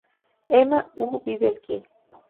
Emma Hu vive aqui